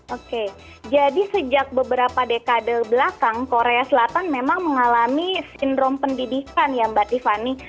oke jadi sejak beberapa dekade belakang korea selatan memang mengalami sindrom pendidikan ya mbak tiffany